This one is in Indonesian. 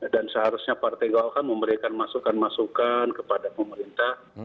dan seharusnya partai golkar memberikan masukan masukan kepada pemerintah